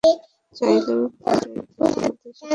চাইলে পরেরবার আমাদের সাথে যোগ দিতে পার।